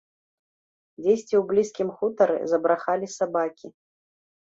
Дзесьці ў блізкім хутары забрахалі сабакі.